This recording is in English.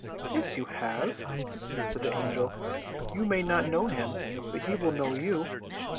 "Yes, you have!" said the Angel. "You may not know him, but he will know you.